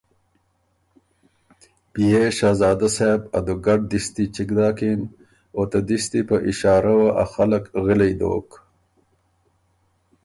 بيې شهزاده صېب ا دُوګډ دِستی چِګ داکِن او ته دِستی په اشارۀ وه ا خلق غِلئ دوک۔